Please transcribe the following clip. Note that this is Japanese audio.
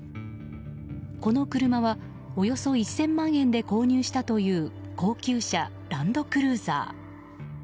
この車は、およそ１０００万円で購入したという高級車、ランドクルーザー。